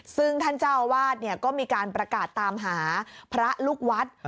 ซึ่งท่านเจ้าอาวาสก็มีการประกาศตามหาพระลูกวัด